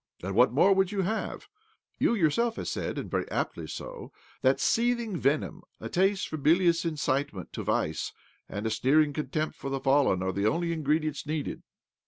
" And what more would you have ? You yourself have said (and very aptly so) that seething venom, a taste for bilious incite ment to vice, and a sneering contempt for the fallen are the only ingredients needed."